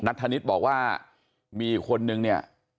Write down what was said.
ธนิษฐ์บอกว่ามีคนนึงเนี่ย